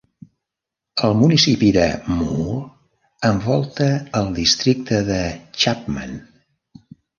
El municipi de Moore envolta el districte de Chapman.